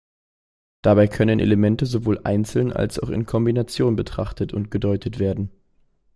Dabei können Elemente sowohl einzeln als auch in Kombination betrachtet und gedeutet werden.